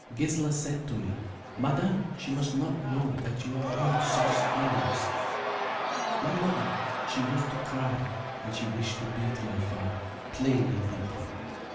Gisla said to me, 'Madame, she must not know that you have heard such things.' "My mother, she used to cry, and she wished to beat my father, plainly beat him.